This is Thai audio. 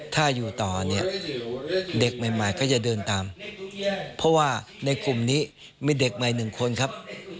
ถ้าอยู่ต่อเนี่ยเด็กใหม่ก็จะเดินตามเพราะว่าในกลุ่มนี้มีเด็กใหม่หนึ่งคนครับ